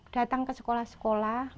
datang ke sekolah sekolah